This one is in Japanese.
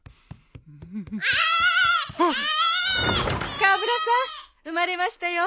川村さん生まれましたよ。